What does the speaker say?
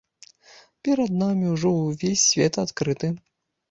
Перад намі ўжо ўвесь свет адкрыты.